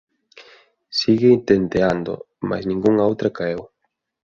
sigue tenteando, mais ningunha outra caeu.